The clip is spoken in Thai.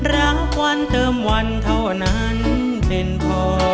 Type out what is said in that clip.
รางวัลเติมวันเท่านั้นเป็นพอ